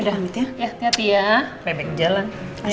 ya hati hati ya bebek jalan